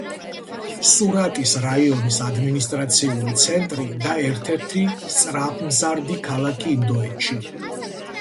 სურატის რაიონის ადმინისტრაციული ცენტრი და ერთ-ერთი სწრაფადმზარდი ქალაქი ინდოეთში.